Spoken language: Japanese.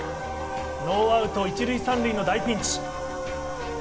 ノーアウト１塁３塁の大ピンチ。